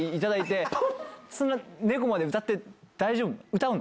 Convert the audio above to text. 昌暉、そんな、猫まで歌って大丈夫？